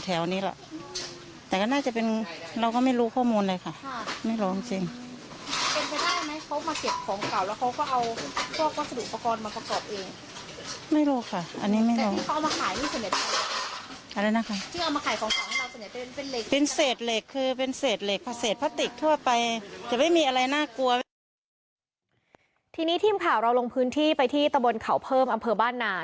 ทีนี้ทีมข่าวเราลงพื้นที่ไปที่ตะบนเขาเพิ่มอำเภอบ้านนา